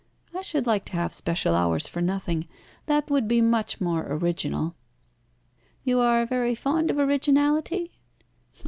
I should like to have special hours for nothing. That would be much more original." "You are very fond of originality?"